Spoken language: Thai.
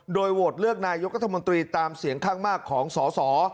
โดยโวทธ์เลือกนายกัธมนตรีตามเสียงข้างมากของสศ